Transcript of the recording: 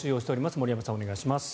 森山さん、お願いします。